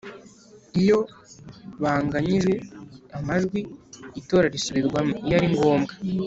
Iyo banganyije amajwi itora risubirwamo Iyo ari ngombwa